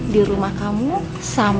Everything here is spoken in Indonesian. siapa tuh kalau